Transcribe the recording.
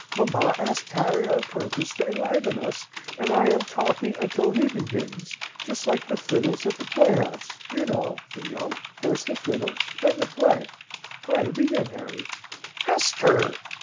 "Mamma asked Harry on purpose to enliven us, and I am talking until he begins, just like the fiddles at the playhouse, you know, Theo! First the fiddles. Then the play. Pray begin, Harry!" "Hester!"